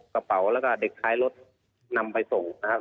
กระเป๋าแล้วก็เด็กท้ายรถนำไปส่งนะครับ